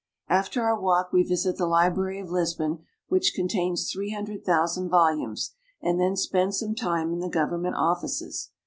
After our walk we visit the library of Lisbon, which con tains three hundred thousand volumes, and then spend some time in the government offices.